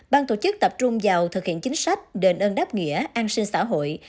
ban tổ chức tập trung vào thực hiện chính sách đền ơn đáp nghĩa an sinh xã hội